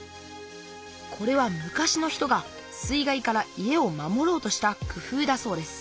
これは昔の人が水害から家を守ろうとした工夫だそうです